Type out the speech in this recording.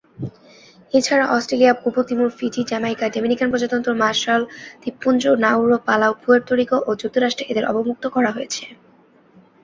এছাড়া অস্ট্রেলিয়া, পূর্ব Timor, Fiji, Jamaica, Dominican প্রজাতন্ত্র, মার্শাল দ্বীপপুঞ্জ, নাউরু, পালাউ, পুয়ের্তো রিকো ও যুক্তরাষ্ট্রে এদের অবমুক্ত করা হয়েছে।